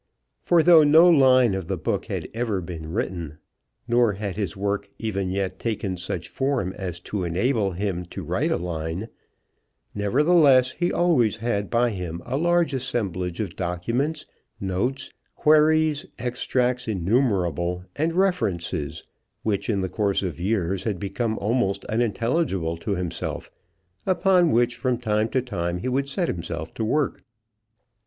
For though no line of the book had ever been written, nor had his work even yet taken such form as to enable him to write a line, nevertheless, he always had by him a large assemblage of documents, notes, queries, extracts innumerable, and references which in the course of years had become almost unintelligible to himself, upon which from time to time he would set himself to work.